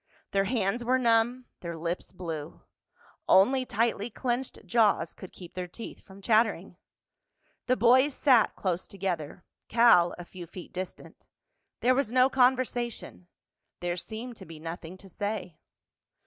Their hands were numb, their lips blue. Only tightly clenched jaws could keep their teeth from chattering. The boys sat close together; Cal a few feet distant. There was no conversation—there seemed to be nothing to say.